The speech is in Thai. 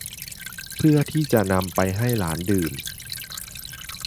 เพื่อที่จะนำไปให้หลานดื่ม